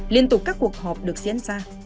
liên tục các cuộc họp được diễn ra